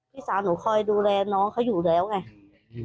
พี่สาวหนูคอยดูแลน้องเขาอยู่แล้วไง